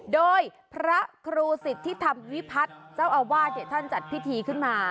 โดยพระครูสิทธิธรรมวิพัฒน์เจ้าอาวาสท่านจัดพิธีขึ้นมา